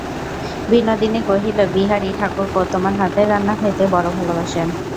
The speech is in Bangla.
বিনোদিনী কহিল, বিহারী-ঠাকুরপো তোমার হাতের রান্না খাইতে বড়ো ভালোবাসেন।